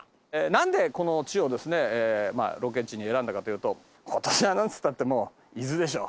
なんでこの地をですねロケ地に選んだかというと今年はなんつったってもう伊豆でしょ。